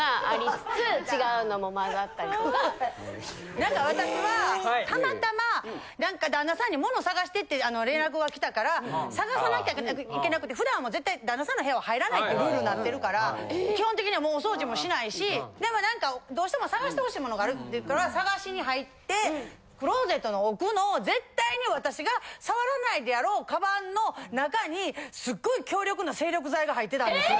なんか私はたまたま旦那さんに物探してって連絡が来たから探さなきゃいけなくて普段絶対旦那さんの部屋を入らないってルールになってるから基本的にはもうお掃除もしないしでもなんかどうしても探してほしい物があるって言うから探しに入ってクローゼットの奥の絶対に私が触らないであろうカバンの中に。が入ってたんですよ。